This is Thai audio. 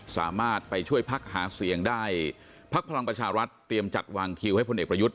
สามารถไปช่วยพักหาเสียงได้พักพลังประชารัฐเตรียมจัดวางคิวให้พลเอกประยุทธ์